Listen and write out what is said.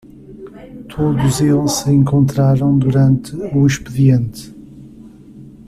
Todos eles se encontraram durante o expediente.